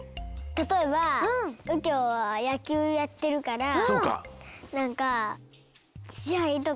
たとえばうきょうはやきゅうやってるからなんかしあいとか。